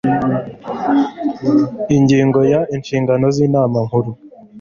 ingingo ya inshingano z inama nkuru